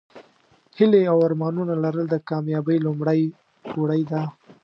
هیلې او ارمانونه لرل د کامیابۍ لومړۍ پوړۍ ده.